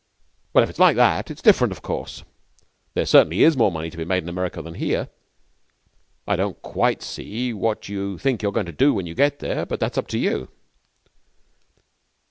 Well, if it's like that it's different, of course. There certainly is more money to be made in America than here. I don't quite see what you think you're going to do when you get there, but that's up to you.